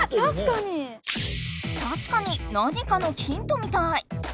たしかに何かのヒントみたい。